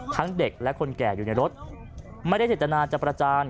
ทั้งเด็กและคนแก่อยู่ในรถไม่ได้เศรษฐนาจับประจาน